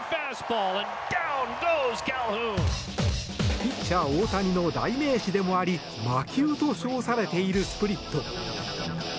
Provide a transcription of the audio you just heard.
ピッチャー大谷の代名詞でもあり魔球と称されているスプリット。